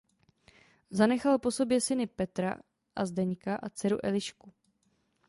Zanechal po sobě syny Petra a Zdeňka a dceru Elišku.